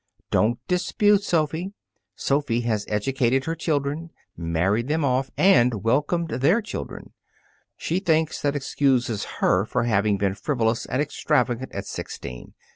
"Don't dispute, Sophy. Sophy has educated her children, married them off, and welcomed their children. She thinks that excuses her for having been frivolous and extravagant at sixteen.